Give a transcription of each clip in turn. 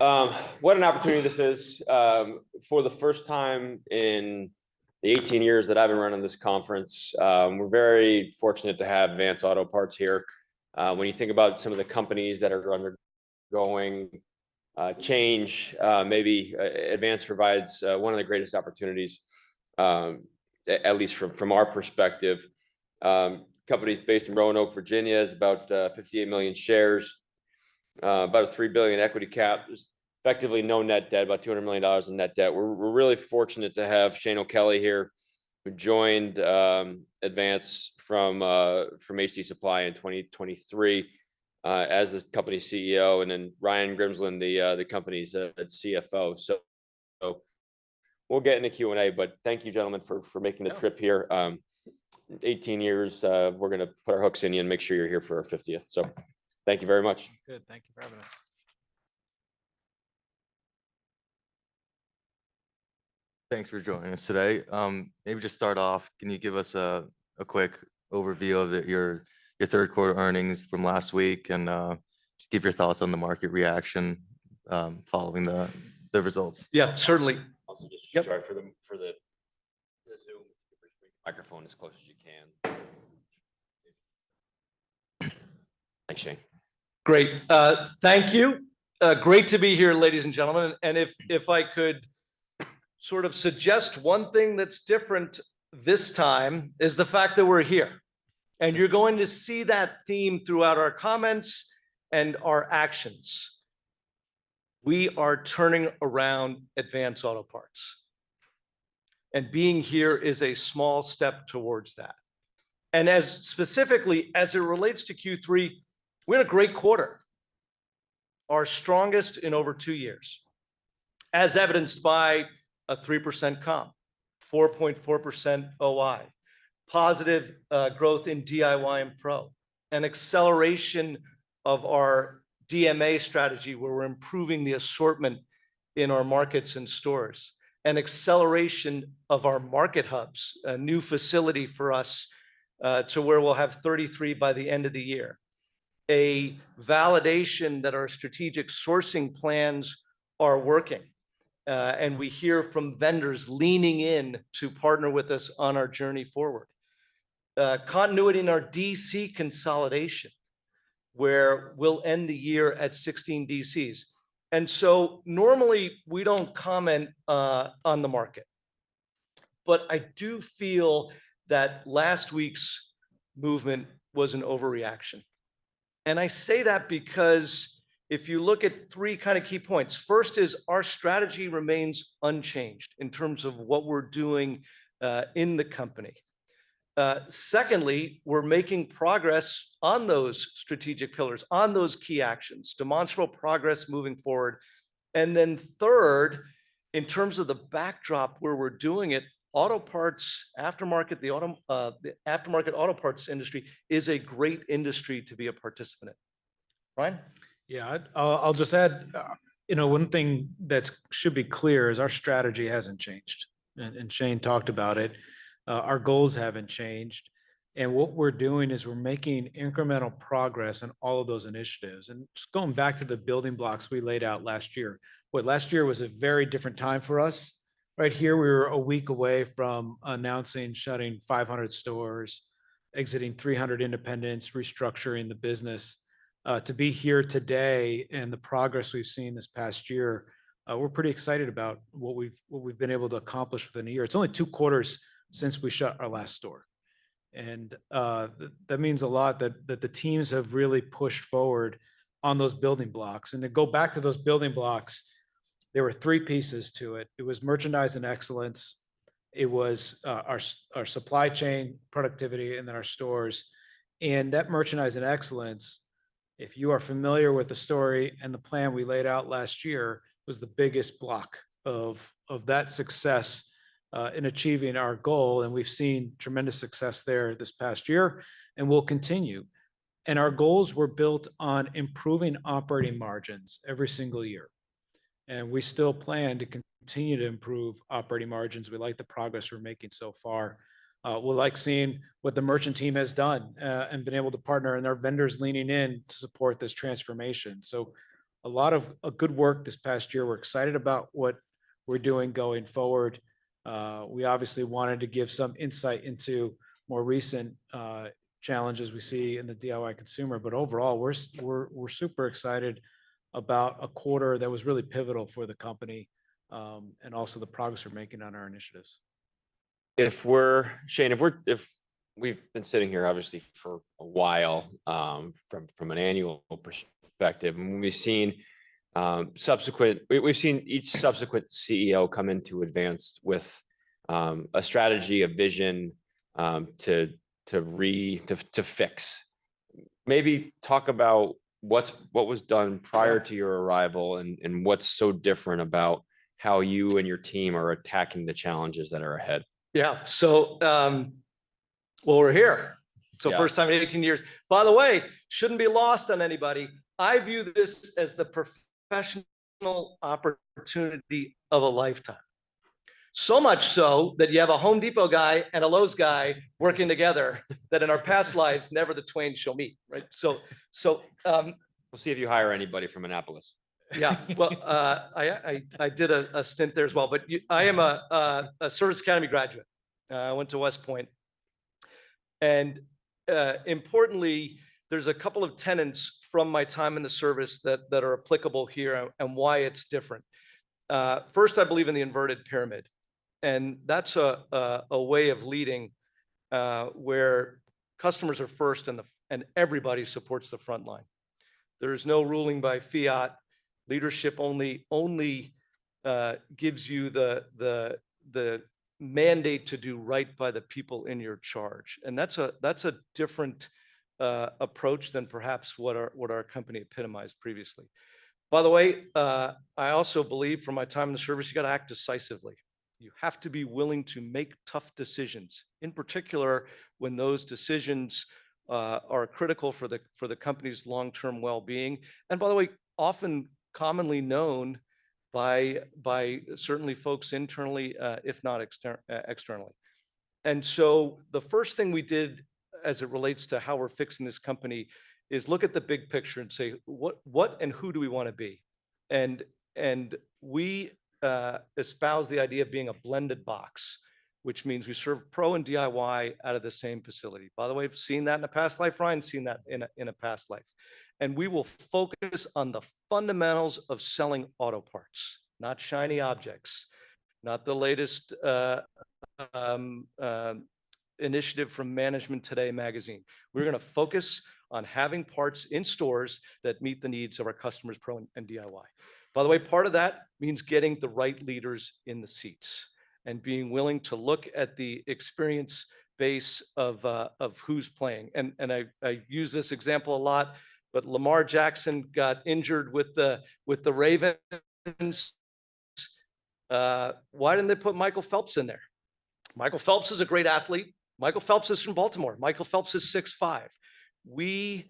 All right. What an opportunity this is. For the first time in the 18 years that I've been running this conference, we're very fortunate to have Advance Auto Parts here. When you think about some of the companies that are undergoing change, maybe Advance provides one of the greatest opportunities, at least from our perspective. Company is based in Roanoke, Virginia, is about 58 million shares, about a $3 billion equity cap, effectively no net debt, about $200 million in net debt. We're really fortunate to have Shane O'Kelly here, who joined Advance from HD Supply in 2023 as the company CEO, and then Ryan Grimsland, the company's CFO. We will get into Q&A, but thank you, gentlemen, for making the trip here. 18 years. We're going to put our hooks in you and make sure you're here for our 50th. Thank you very much. Good. Thank you for having us. Thanks for joining us today. Maybe just start off, can you give us a quick overview of your third quarter earnings from last week and just give your thoughts on the market reaction following the results? Yeah, certainly. I'll just drive for the Zoom. Keep your microphone as close as you can. Thanks, Shane. Great. Thank you. Great to be here, ladies and gentlemen. If I could sort of suggest one thing that's different this time, it is the fact that we're here. You're going to see that theme throughout our comments and our actions. We are turning around Advance Auto Parts. Being here is a small step towards that. Specifically, as it relates to Q3, we're in a great quarter, our strongest in over two years, as evidenced by a 3% comp, 4.4% OI, positive growth in DIY and Pro, an acceleration of our DMA strategy, where we're improving the assortment in our markets and stores, an acceleration of our market hubs, a new facility for us to where we'll have 33 by the end of the year, a validation that our strategic sourcing plans are working. We hear from vendors leaning in to partner with us on our journey forward. Continuity in our DC consolidation, where we will end the year at 16 DCs. Normally, we do not comment on the market. I do feel that last week's movement was an overreaction. I say that because if you look at three kind of key points, first is our strategy remains unchanged in terms of what we are doing in the company. Secondly, we are making progress on those strategic pillars, on those key actions, demonstrable progress moving forward. Third, in terms of the backdrop where we are doing it, auto parts, aftermarket, the aftermarket auto parts industry is a great industry to be a participant in. Ryan? Yeah. I'll just add, one thing that should be clear is our strategy hasn't changed. Shane talked about it. Our goals haven't changed. What we're doing is we're making incremental progress in all of those initiatives. Just going back to the building blocks we laid out last year, last year was a very different time for us. Right here, we were a week away from announcing shutting 500 stores, exiting 300 independents, restructuring the business. To be here today and the progress we've seen this past year, we're pretty excited about what we've been able to accomplish within a year. It's only two quarters since we shut our last store. That means a lot that the teams have really pushed forward on those building blocks. To go back to those building blocks, there were three pieces to it. It was merchandise and excellence. It was our supply chain, productivity, and then our stores. That merchandise and excellence, if you are familiar with the story and the plan we laid out last year, was the biggest block of that success in achieving our goal. We have seen tremendous success there this past year and will continue. Our goals were built on improving operating margins every single year. We still plan to continue to improve operating margins. We like the progress we are making so far. We like seeing what the merchant team has done and been able to partner and our vendors leaning in to support this transformation. A lot of good work this past year. We are excited about what we are doing going forward. We obviously wanted to give some insight into more recent challenges we see in the DIY consumer. Overall, we're super excited about a quarter that was really pivotal for the company and also the progress we're making on our initiatives. If we're, Shane, if we've been sitting here, obviously, for a while from an annual perspective, and we've seen subsequent, we've seen each subsequent CEO come into Advance with a strategy, a vision to fix. Maybe talk about what was done prior to your arrival and what's so different about how you and your team are attacking the challenges that are ahead. Yeah. So, well, we're here. So first time in 18 years. By the way, should not be lost on anybody. I view this as the professional opportunity of a lifetime. So much so that you have a Home Depot guy and a Lowe's guy working together that in our past lives, never the twain shall meet. Right? So. We'll see if you hire anybody from Annapolis. Yeah. I did a stint there as well. I am a service academy graduate. I went to West Point. Importantly, there are a couple of tenets from my time in the service that are applicable here and why it is different. First, I believe in the inverted pyramid. That is a way of leading where customers are first and everybody supports the front line. There is no ruling by fiat. Leadership only gives you the mandate to do right by the people in your charge. That is a different approach than perhaps what our company epitomized previously. By the way, I also believe from my time in the service, you have to act decisively. You have to be willing to make tough decisions, in particular when those decisions are critical for the company's long-term well-being. By the way, often commonly known by certainly folks internally, if not externally. The first thing we did as it relates to how we're fixing this company is look at the big picture and say, what and who do we want to be? We espouse the idea of being a blended box, which means we serve pro and DIY out of the same facility. By the way, I've seen that in a past life. Ryan's seen that in a past life. We will focus on the fundamentals of selling auto parts, not shiny objects, not the latest initiative from Management Today magazine. We're going to focus on having parts in stores that meet the needs of our customers, pro and DIY. By the way, part of that means getting the right leaders in the seats and being willing to look at the experience base of who's playing. I use this example a lot, but Lamar Jackson got injured with the Ravens. Why did they not put Michael Phelps in there? Michael Phelps is a great athlete. Michael Phelps is from Baltimore. Michael Phelps is 6'5". We,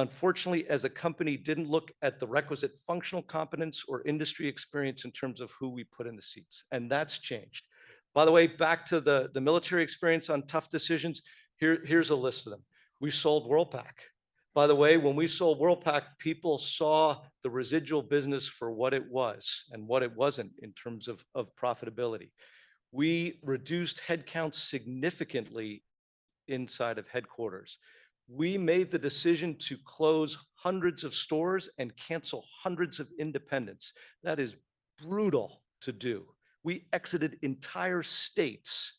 unfortunately, as a company, did not look at the requisite functional competence or industry experience in terms of who we put in the seats. That has changed. By the way, back to the military experience on tough decisions, here is a list of them. We sold Worldpac. By the way, when we sold Worldpac, people saw the residual business for what it was and what it was not in terms of profitability. We reduced headcount significantly inside of headquarters. We made the decision to close hundreds of stores and cancel hundreds of independents. That is brutal to do. We exited entire states.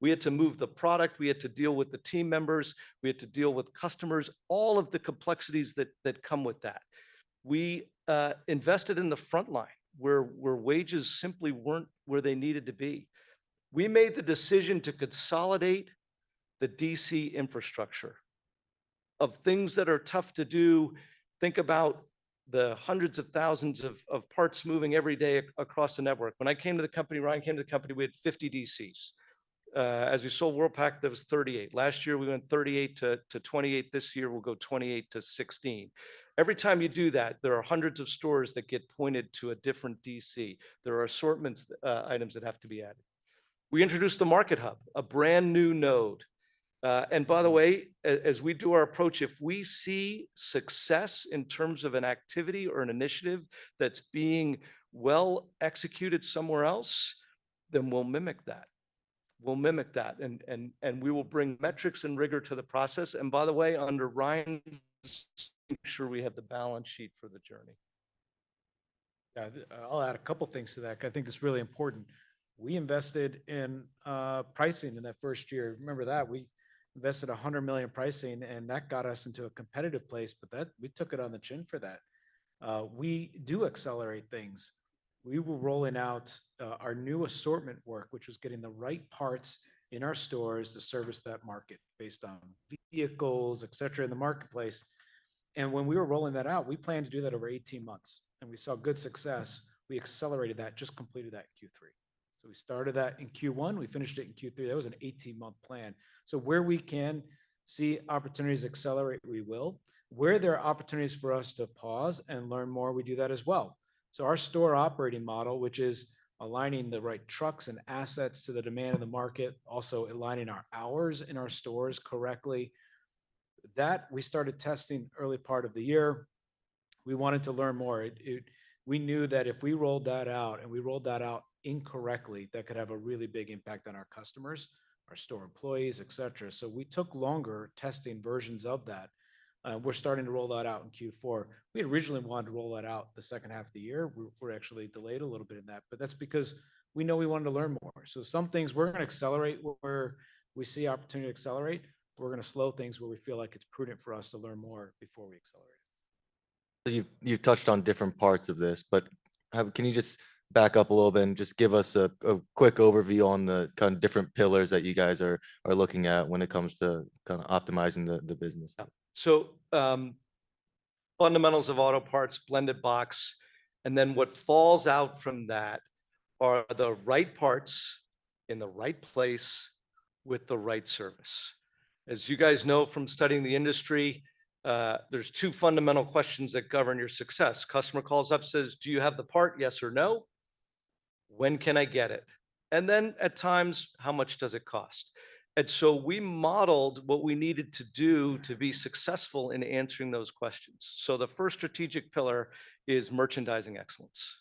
We had to move the product. We had to deal with the team members. We had to deal with customers, all of the complexities that come with that. We invested in the front line where wages simply were not where they needed to be. We made the decision to consolidate the DC infrastructure of things that are tough to do. Think about the hundreds of thousands of parts moving every day across the network. When I came to the company, Ryan came to the company, we had 50 DCs. As we sold Worldpac, there was 38. Last year, we went 38-28. This year, we will go 28-16. Every time you do that, there are hundreds of stores that get pointed to a different DC. There are assortments, items that have to be added. We introduced the Market Hub, a brand new node. By the way, as we do our approach, if we see success in terms of an activity or an initiative that's being well executed somewhere else, we will mimic that. We will mimic that. We will bring metrics and rigor to the process. By the way, under Ryan, make sure we have the balance sheet for the journey. Yeah. I'll add a couple of things to that. I think it's really important. We invested in pricing in that first year. Remember that? We invested $100 million in pricing, and that got us into a competitive place, but we took it on the chin for that. We do accelerate things. We were rolling out our new assortment work, which was getting the right parts in our stores to service that market based on vehicles, etc., in the marketplace. When we were rolling that out, we planned to do that over 18 months. We saw good success. We accelerated that, just completed that Q3. We started that in Q1. We finished it in Q3. That was an 18-month plan. Where we can see opportunities accelerate, we will. Where there are opportunities for us to pause and learn more, we do that as well. Our store operating model, which is aligning the right trucks and assets to the demand of the market, also aligning our hours in our stores correctly, that we started testing early part of the year. We wanted to learn more. We knew that if we rolled that out and we rolled that out incorrectly, that could have a really big impact on our customers, our store employees, etc. We took longer testing versions of that. We're starting to roll that out in Q4. We originally wanted to roll that out the second half of the year. We're actually delayed a little bit in that. That is because we know we wanted to learn more. Some things we're going to accelerate where we see opportunity to accelerate. We're going to slow things where we feel like it's prudent for us to learn more before we accelerate. You've touched on different parts of this, but can you just back up a little bit and just give us a quick overview on the kind of different pillars that you guys are looking at when it comes to kind of optimizing the business? Yeah. Fundamentals of auto parts, blended box. What falls out from that are the right parts in the right place with the right service. As you guys know from studying the industry, there are two fundamental questions that govern your success. Customer calls up, says, "Do you have the part? Yes or no? When can I get it?" At times, "How much does it cost?" We modeled what we needed to do to be successful in answering those questions. The first strategic pillar is merchandising excellence.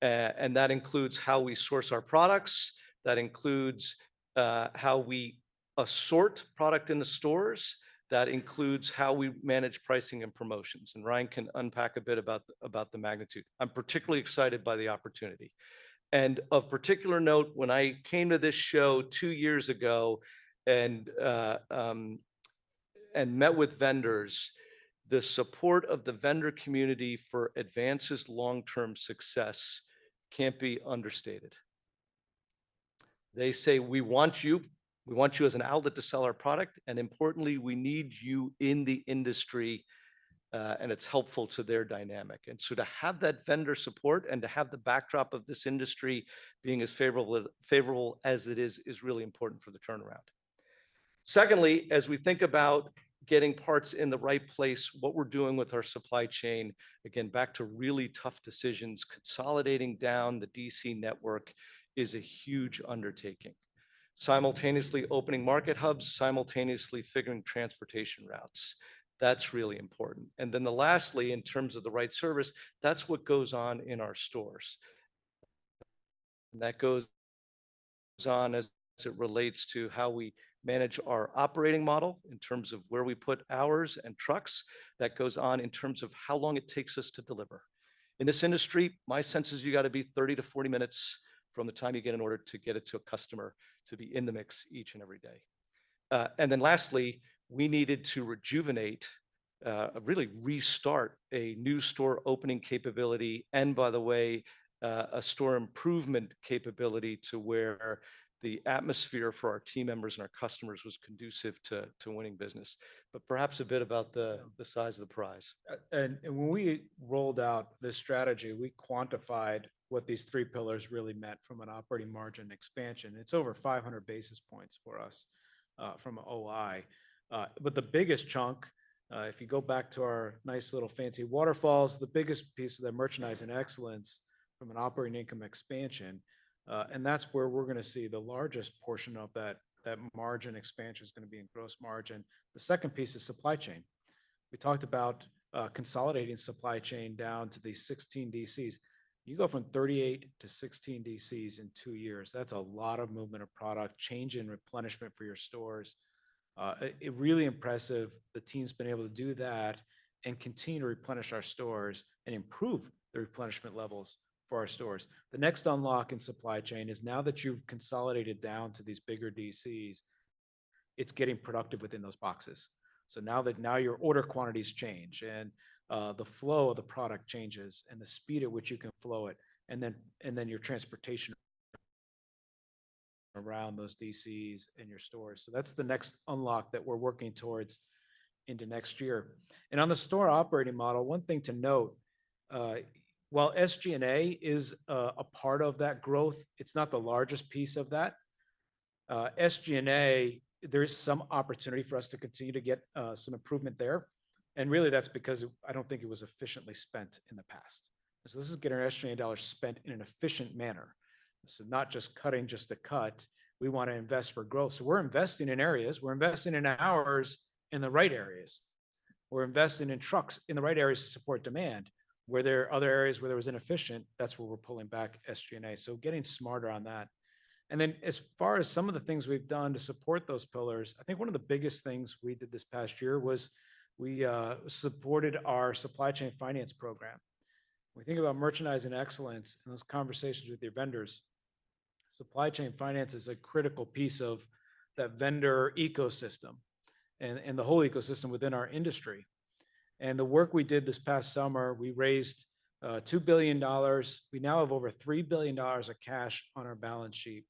That includes how we source our products. That includes how we assort product in the stores. That includes how we manage pricing and promotions. Ryan can unpack a bit about the magnitude. I'm particularly excited by the opportunity. Of particular note, when I came to this show two years ago and met with vendors, the support of the vendor community for Advance's long-term success can't be understated. They say, "We want you. We want you as an outlet to sell our product. And importantly, we need you in the industry." It's helpful to their dynamic. To have that vendor support and to have the backdrop of this industry being as favorable as it is is really important for the turnaround. Secondly, as we think about getting parts in the right place, what we're doing with our supply chain, again, back to really tough decisions, consolidating down the DC network is a huge undertaking. Simultaneously opening Market Hubs, simultaneously figuring transportation routes. That's really important. Lastly, in terms of the right service, that's what goes on in our stores. That goes on as it relates to how we manage our operating model in terms of where we put hours and trucks. That goes on in terms of how long it takes us to deliver. In this industry, my sense is you got to be 30-40 minutes from the time you get an order to get it to a customer to be in the mix each and every day. Lastly, we needed to rejuvenate, really restart a new store opening capability and, by the way, a store improvement capability to where the atmosphere for our team members and our customers was conducive to winning business. Perhaps a bit about the size of the prize. When we rolled out this strategy, we quantified what these three pillars really meant from an operating margin expansion. It's over 500 basis points for us from OI. The biggest chunk, if you go back to our nice little fancy waterfalls, the biggest piece of the merchandising excellence from an operating income expansion, and that's where we're going to see the largest portion of that margin expansion is going to be in gross margin. The second piece is supply chain. We talked about consolidating supply chain down to the 16 DCs. You go from 38-16 DCs in two years. That's a lot of movement of product, change and replenishment for your stores. It's really impressive the team's been able to do that and continue to replenish our stores and improve the replenishment levels for our stores. The next unlock in supply chain is now that you've consolidated down to these bigger DCs, it's getting productive within those boxes. Now your order quantities change and the flow of the product changes and the speed at which you can flow it and then your transportation around those DCs and your stores. That's the next unlock that we're working towards into next year. On the store operating model, one thing to note, while SG&A is a part of that growth, it's not the largest piece of that. SG&A, there is some opportunity for us to continue to get some improvement there. Really, that's because I don't think it was efficiently spent in the past. This is getting our SG&A dollars spent in an efficient manner. Not just cutting just to cut. We want to invest for growth. We're investing in areas. We're investing in hours in the right areas. We're investing in trucks in the right areas to support demand. Where there are other areas where there was inefficient, that's where we're pulling back SG&A. Getting smarter on that. As far as some of the things we've done to support those pillars, I think one of the biggest things we did this past year was we supported our supply chain finance program. When we think about merchandising excellence and those conversations with your vendors, supply chain finance is a critical piece of that vendor ecosystem and the whole ecosystem within our industry. The work we did this past summer, we raised $2 billion. We now have over $3 billion of cash on our balance sheet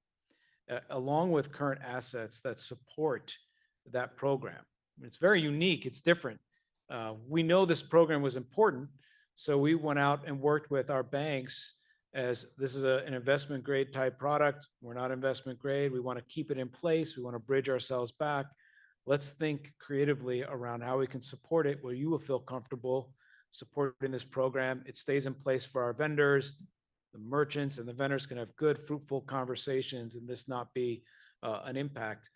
along with current assets that support that program. It's very unique. It's different. We know this program was important. We went out and worked with our banks as this is an investment-grade type product. We're not investment-grade. We want to keep it in place. We want to bridge ourselves back. Let's think creatively around how we can support it where you will feel comfortable supporting this program. It stays in place for our vendors. The merchants and the vendors can have good, fruitful conversations and this not be an impact.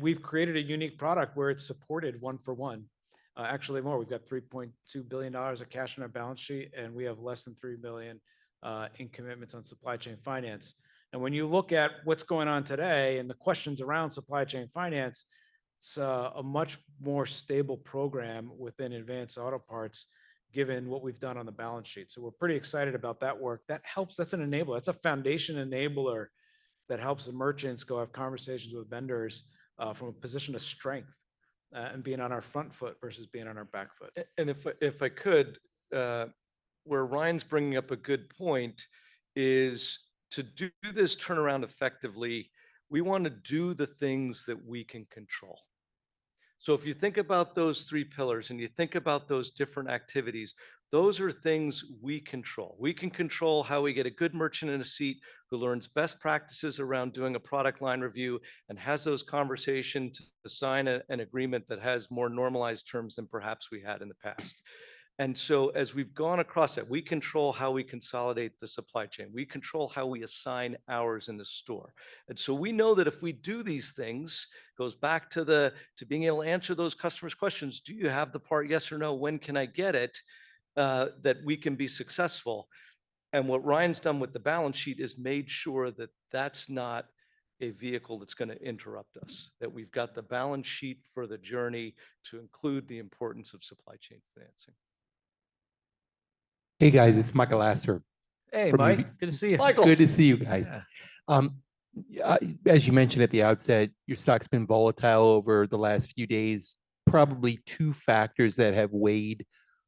We've created a unique product where it's supported one for one. Actually, more. We've got $3.2 billion of cash on our balance sheet, and we have less than $3 billion in commitments on supply chain finance. When you look at what's going on today and the questions around supply chain finance, it's a much more stable program within Advance Auto Parts given what we've done on the balance sheet. We're pretty excited about that work. That helps. That's an enabler. That's a foundation enabler that helps the merchants go have conversations with vendors from a position of strength and being on our front foot versus being on our back foot. If I could, where Ryan's bringing up a good point is to do this turnaround effectively, we want to do the things that we can control. If you think about those three pillars and you think about those different activities, those are things we control. We can control how we get a good merchant in a seat who learns best practices around doing a product line review and has those conversations to sign an agreement that has more normalized terms than perhaps we had in the past. As we've gone across that, we control how we consolidate the supply chain. We control how we assign hours in the store. We know that if we do these things, it goes back to being able to answer those customers' questions. Do you have the part? Yes or no? When can I get it that we can be successful? What Ryan's done with the balance sheet is made sure that that's not a vehicle that's going to interrupt us, that we've got the balance sheet for the journey to include the importance of supply chain financing. Hey, guys. It's Michael Lasser. Hey, Mike. Good to see you. Michael! Good to see you guys. As you mentioned at the outset, your stock's been volatile over the last few days. Probably two factors that have weighed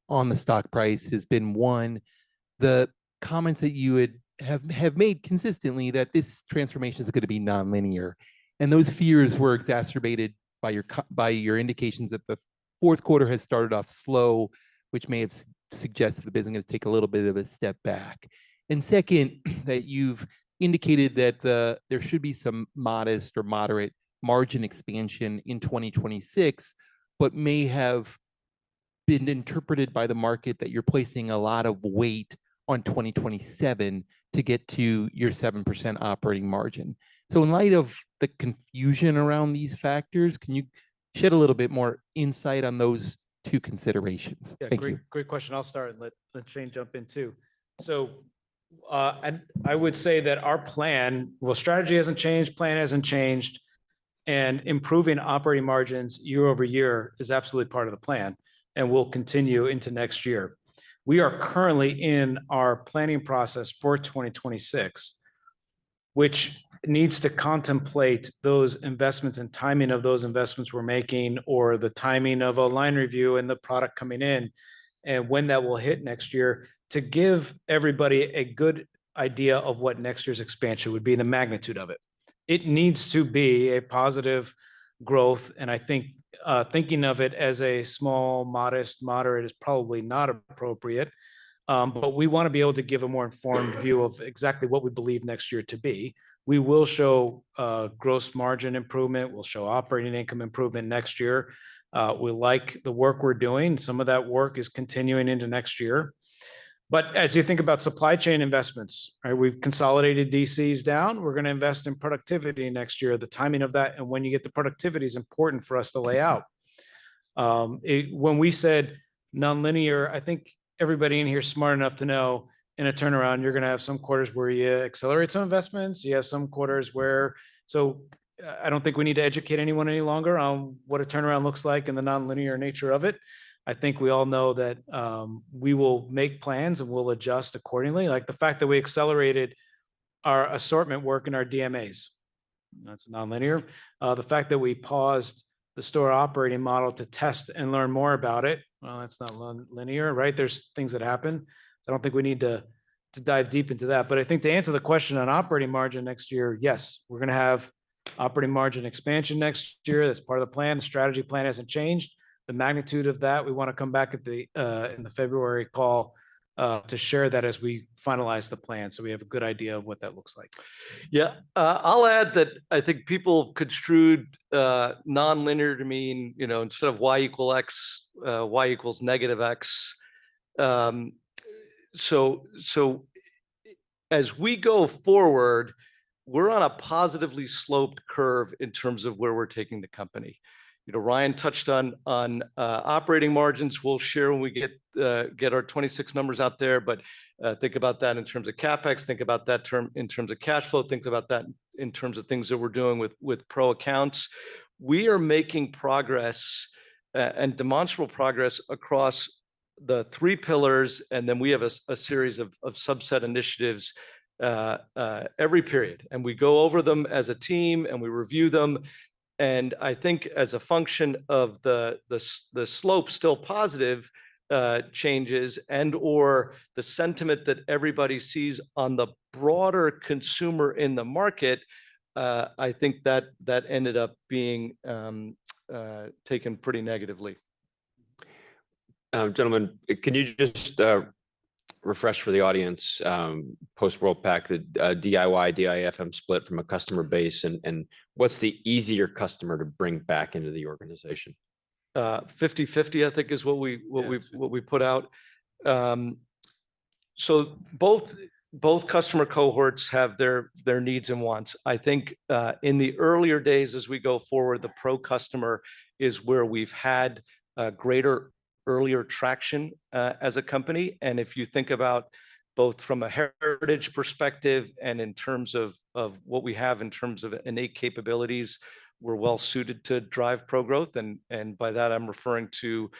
on the stock price have been one, the comments that you have made consistently that this transformation is going to be non-linear. Those fears were exacerbated by your indications that the fourth quarter has started off slow, which may have suggested the business is going to take a little bit of a step back. Second, that you've indicated that there should be some modest or moderate margin expansion in 2026, but may have been interpreted by the market that you're placing a lot of weight on 2027 to get to your 7% operating margin. In light of the confusion around these factors, can you shed a little bit more insight on those two considerations? Yeah. Great question. I'll start and let Shane jump in too. I would say that our plan, strategy hasn't changed. Plan hasn't changed. Improving operating margins year over year is absolutely part of the plan and will continue into next year. We are currently in our planning process for 2026, which needs to contemplate those investments and timing of those investments we're making or the timing of a line review and the product coming in and when that will hit next year to give everybody a good idea of what next year's expansion would be and the magnitude of it. It needs to be a positive growth. I think thinking of it as a small, modest, moderate is probably not appropriate. We want to be able to give a more informed view of exactly what we believe next year to be. We will show gross margin improvement. We'll show operating income improvement next year. We like the work we're doing. Some of that work is continuing into next year. As you think about supply chain investments, we've consolidated DCs down. We're going to invest in productivity next year. The timing of that and when you get the productivity is important for us to lay out. When we said non-linear, I think everybody in here is smart enough to know in a turnaround, you're going to have some quarters where you accelerate some investments. You have some quarters where I don't think we need to educate anyone any longer on what a turnaround looks like and the non-linear nature of it. I think we all know that we will make plans and we'll adjust accordingly. Like the fact that we accelerated our assortment work in our DMAs, that's non-linear. The fact that we paused the store operating model to test and learn more about it. That's not linear, right? There's things that happen. I don't think we need to dive deep into that. I think to answer the question on operating margin next year, yes, we're going to have operating margin expansion next year. That's part of the plan. The strategy plan hasn't changed. The magnitude of that, we want to come back in the February call to share that as we finalize the plan so we have a good idea of what that looks like. I think people construed non-linear to mean instead of Y equal X, Y equals -X. As we go forward, we're on a positively sloped curve in terms of where we're taking the company. Ryan touched on operating margins. We'll share when we get our 2026 numbers out there. Think about that in terms of CapEx. Think about that in terms of cash flow. Think about that in terms of things that we're doing with pro accounts. We are making progress and demonstrable progress across the three pillars. We have a series of subset initiatives every period. We go over them as a team and we review them. I think as a function of the slope, still positive changes and/or the sentiment that everybody sees on the broader consumer in the market, I think that ended up being taken pretty negatively. Gentlemen, can you just refresh for the audience post Worldpac the DIY, DIFM split from a customer base? And what's the easier customer to bring back into the organization? 50:50, I think, is what we put out. Both customer cohorts have their needs and wants. I think in the earlier days, as we go forward, the pro customer is where we've had greater earlier traction as a company. If you think about both from a heritage perspective and in terms of what we have in terms of innate capabilities, we're well suited to drive pro growth. By that, I'm referring to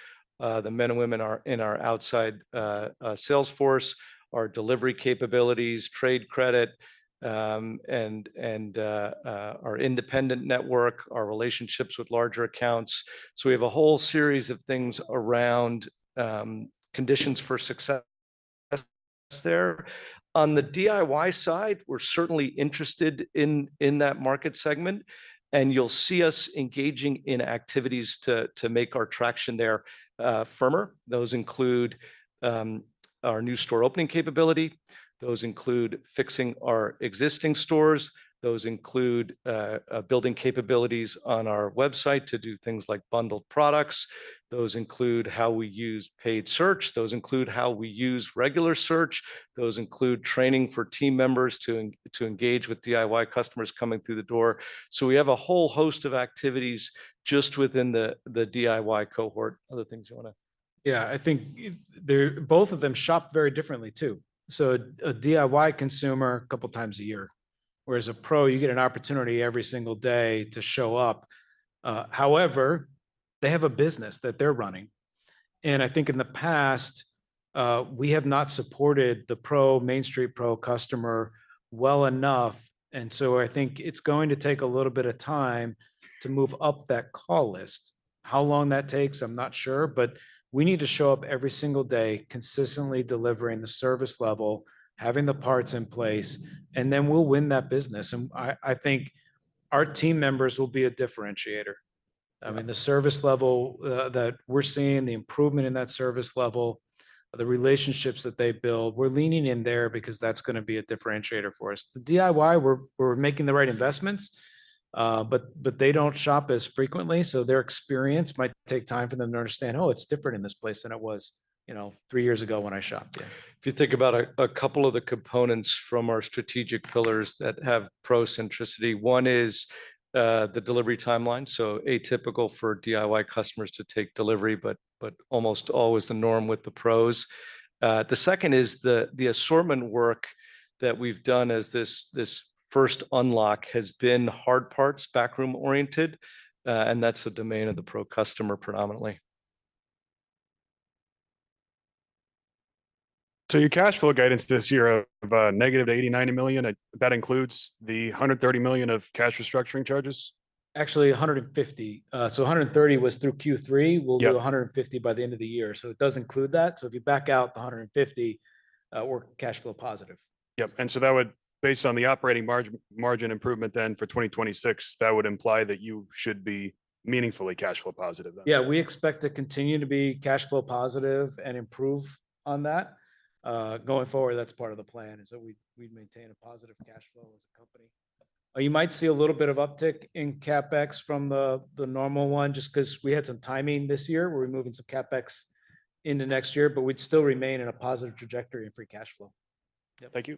the men and women in our outside salesforce, our delivery capabilities, trade credit, and our independent network, our relationships with larger accounts. We have a whole series of things around conditions for success there. On the DIY side, we're certainly interested in that market segment. You'll see us engaging in activities to make our traction there firmer. Those include our new store opening capability. Those include fixing our existing stores. Those include building capabilities on our website to do things like bundled products. Those include how we use paid search. Those include how we use regular search. Those include training for team members to engage with DIY customers coming through the door. We have a whole host of activities just within the DIY cohort. Other things you want to? Yeah. I think both of them shop very differently too. A DIY consumer a couple of times a year, whereas a pro, you get an opportunity every single day to show up. However, they have a business that they're running. I think in the past, we have not supported the pro, Main Street pro customer well enough. I think it's going to take a little bit of time to move up that call list. How long that takes, I'm not sure. We need to show up every single day consistently delivering the service level, having the parts in place. Then we'll win that business. I think our team members will be a differentiator. I mean, the service level that we're seeing, the improvement in that service level, the relationships that they build, we're leaning in there because that's going to be a differentiator for us. The DIY, we're making the right investments, but they don't shop as frequently. Their experience might take time for them to understand, "Oh, it's different in this place than it was three years ago when I shopped here. If you think about a couple of the components from our strategic pillars that have pro-centricity, one is the delivery timeline. It is atypical for DIY customers to take delivery, but almost always the norm with the pros. The second is the assortment work that we have done as this first unlock has been hard parts, backroom oriented. That is the domain of the pro customer predominantly. Your cash flow guidance this year of -$80 million to $90 million, that includes the $130 million of cash restructuring charges? Actually, $150 million. $130 million was through Q3. We'll do 150 by the end of the year. It does include that. If you back out the $150 million, we're cash flow positive. Yep. That would, based on the operating margin improvement then for 2026, that would imply that you should be meaningfully cash flow positive then. Yeah. We expect to continue to be cash flow positive and improve on that. Going forward, that's part of the plan is that we maintain a positive cash flow as a company. You might see a little bit of uptick in CapEx from the normal one just because we had some timing this year where we're moving some CapEx into next year, but we'd still remain in a positive trajectory and free cash flow. Yep. Thank you.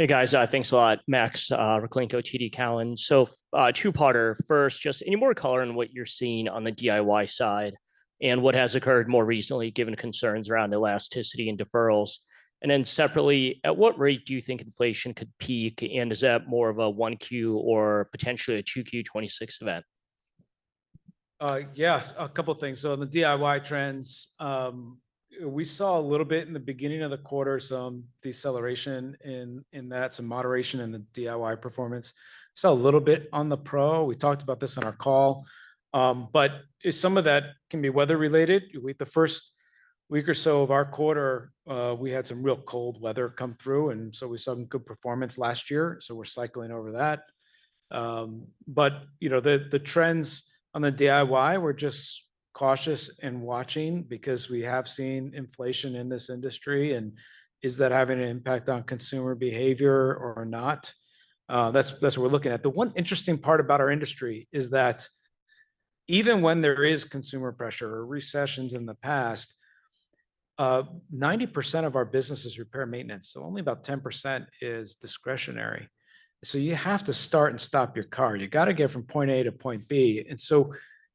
Absolutely. Hey, guys. Thanks a lot, Max Rakhlenko, TD Cowen. So, two-parter. First, just any more color on what you're seeing on the DIY side and what has occurred more recently given concerns around elasticity and deferrals. Then separately, at what rate do you think inflation could peak? Is that more of a 1Q or potentially 2Q 2026 event? Yes. A couple of things. On the DIY trends, we saw a little bit in the beginning of the quarter, some deceleration in that, some moderation in the DIY performance. We saw a little bit on the pro. We talked about this on our call. Some of that can be weather related. The first week or so of our quarter, we had some real cold weather come through. We saw some good performance last year, so we are cycling over that. The trends on the DIY, we are just cautious and watching because we have seen inflation in this industry. Is that having an impact on consumer behavior or not? That is what we are looking at. The one interesting part about our industry is that even when there is consumer pressure or recessions in the past, 90% of our business is repair maintenance. Only about 10% is discretionary. You have to start and stop your car. You have to get from point A to point B.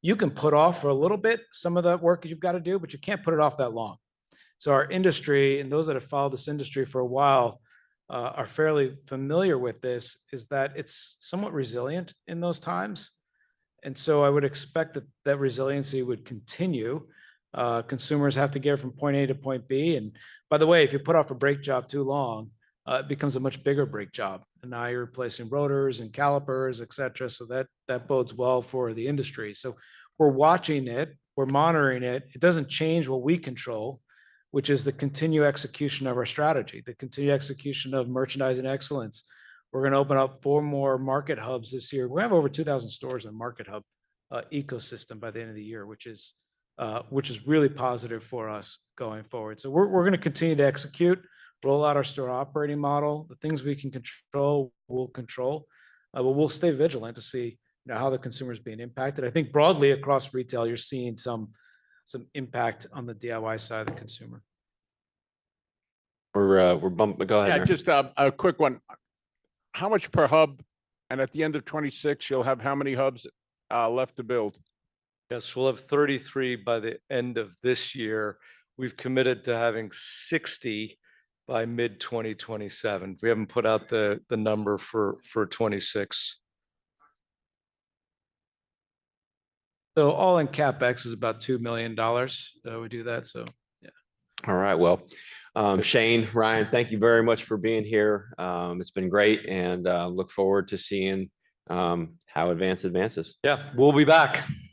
You can put off for a little bit some of that work you have to do, but you cannot put it off that long. Our industry, and those that have followed this industry for a while, are fairly familiar with this, is that it is somewhat resilient in those times. I would expect that resiliency would continue. Consumers have to get from point A to point B. By the way, if you put off a brake job too long, it becomes a much bigger brake job. Now you are replacing rotors and calipers, etc. That bodes well for the industry. We are watching it. We are monitoring it. It doesn't change what we control, which is the continued execution of our strategy, the continued execution of merchandising excellence. We're going to open up four more market hubs this year. We have over 2,000 stores in a market hub ecosystem by the end of the year, which is really positive for us going forward. We're going to continue to execute, roll out our store operating model. The things we can control, we'll control. We'll stay vigilant to see how the consumer is being impacted. I think broadly across retail, you're seeing some impact on the DIY side of the consumer. We're bumping. Go ahead. Yeah. Just a quick one. How much per hub? And at the end of 2026, you'll have how many hubs left to build? Yes. We'll have 33 by the end of this year. We've committed to having 60 by mid-2027. We haven't put out the number for 2026. All in CapEx is about $2 million that we do that. Yeah. All right. Shane, Ryan, thank you very much for being here. It's been great. I look forward to seeing how Advance, advances. Yeah. We'll be back. Thanks.